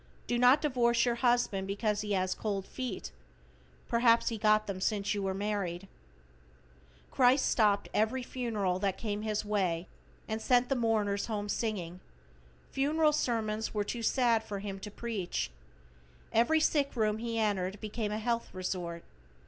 Do not divorce your husband because he has cold feet, perhaps he got them since you were married. Christ stopped every funeral that came his way and sent the mourners home singing. Funeral sermons were too sad for Him to preach. Every sick room He entered became a health resort.